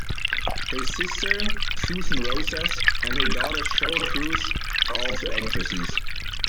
Her sister, Susan Roces, and her daughter, Sheryl Cruz, are also actresses.